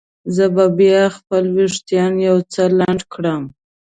زه به بیا خپل وریښتان یو څه لنډ کړم.